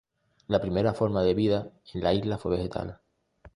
La primera forma de vida en la isla fue vegetal.